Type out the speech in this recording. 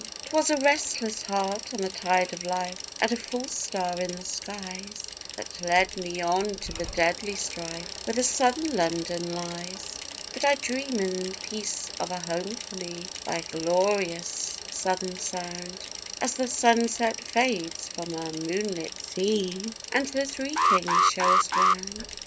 'Twas a restless heart on the tide of life, and a false star in the skies That led me on to the deadly strife where the Southern London lies; But I dream in peace of a home for me, by a glorious southern sound, As the sunset fades from a moonlit sea, and the Three Kings show us round.